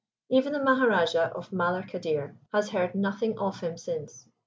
Even the Maharajah of Malar Kadir has heard nothing of him since.